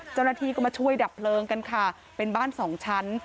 เจ้าหน้าที่ก็มาช่วยดับเพลิงกันค่ะเป็นบ้านสองชั้น